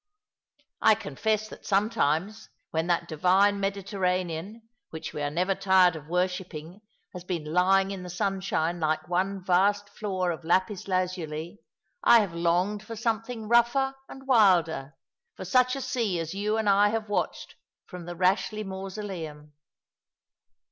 I confess that sometimes, when that divine Mediterranean which we are never tired of worshipping has been lying in the sunshine like one vast floor of lapis lazuli, I have longed for something rougher and wilder — for such a sea as you and I have watched from the Rashleigh Mauso leum."